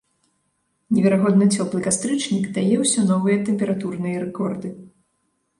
Неверагодна цёплы кастрычнік дае ўсё новыя тэмпературныя рэкорды.